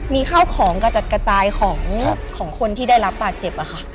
มีข้าวของกระจัดกระจายของคนที่ได้รับบาดเจ็บค่ะ